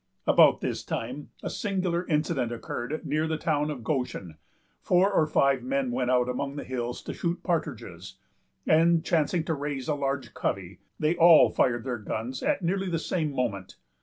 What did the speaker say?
About this time, a singular incident occurred near the town of Goshen. Four or five men went out among the hills to shoot partridges, and, chancing to raise a large covey, they all fired their guns at nearly the same moment.